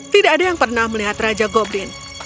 tidak ada yang pernah melihat raja goblin